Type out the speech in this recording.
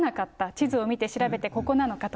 地図を見て調べてここなのかと。